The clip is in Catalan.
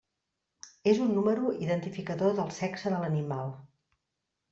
És un número identificador del sexe de l'animal.